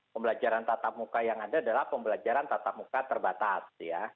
pembelajaran tatap muka yang ada adalah pembelajaran tatap muka terbatas